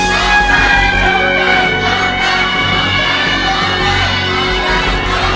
โหน้งแต่นโหน้งแต่น